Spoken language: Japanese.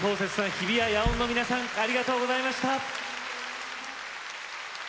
日比谷野音の皆さんありがとうございました。